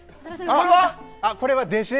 これは？